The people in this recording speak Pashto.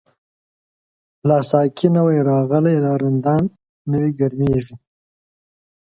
لا ساقی نوی راغلی، لا رندان نوی گرمیږی